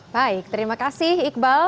baik terima kasih iqbal